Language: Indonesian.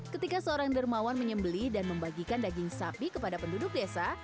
ketika seorang dermawan menyembeli dan membagikan daging sapi kepada penduduk desa